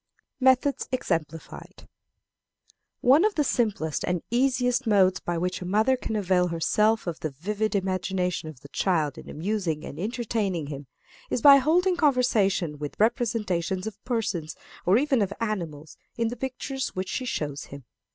Methods exemplified. One of the simplest and easiest modes by which a mother can avail herself of the vivid imagination of the child in amusing and entertaining him, is by holding conversations with representations of persons, or even of animals, in the pictures which she shows him.